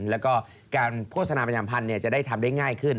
แล้วก็การโฆษณาประจำพันธุ์จะได้ทำได้ง่ายขึ้น